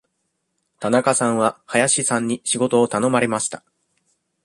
田中さんは林さんに仕事を頼まれました。